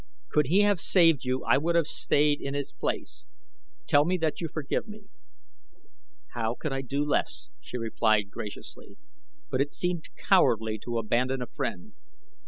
Could he have saved you I would have stayed in his place. Tell me that you forgive me." "How could I do less?" she replied graciously. "But it seemed cowardly to abandon a friend."